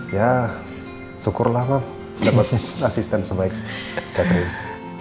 ya syukurlah mak dapat asisten sebaik catherine